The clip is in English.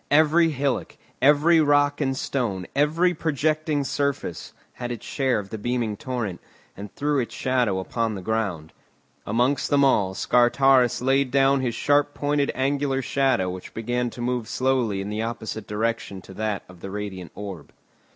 Every hillock, every rock and stone, every projecting surface, had its share of the beaming torrent, and threw its shadow on the ground. Amongst them all, Scartaris laid down his sharp pointed angular shadow which began to move slowly in the opposite direction to that of the radiant orb.